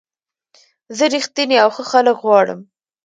زه رښتیني او ښه خلک غواړم.